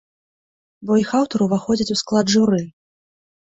Бо іх аўтар уваходзіць у склад журы.